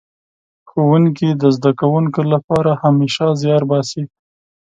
ښوونکي د زده کوونکو لپاره همېشه زيار باسي.